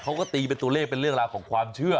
เขาก็ตีเป็นตัวเลขเป็นเรื่องราวของความเชื่อ